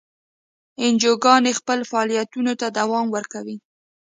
انجیوګانې خپلو فعالیتونو ته دوام ورکوي.